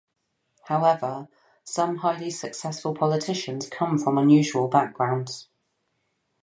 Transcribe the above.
However, some highly successful politicians come from unusual backgrounds.